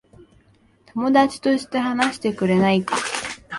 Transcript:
友達として話してくれないか。